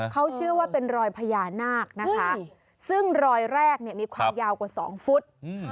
เขาเชื่อว่าเป็นรอยพญานาคนะคะซึ่งรอยแรกเนี่ยมีความยาวกว่า๒ฟุต